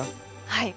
はい！